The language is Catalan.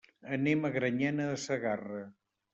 Anem a Granyena de Segarra.